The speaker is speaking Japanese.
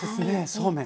そうめん。